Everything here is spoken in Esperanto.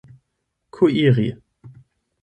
kuiri